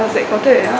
sẽ có thể